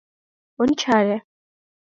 Ончале.